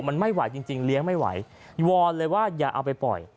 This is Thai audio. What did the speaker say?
มันไม่ไหวจริงเลี้ยงไม่ไหววอนเลยว่าอย่าเอาไปปล่อย